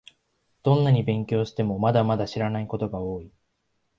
どんなに勉強しても、まだまだ知らないことが多い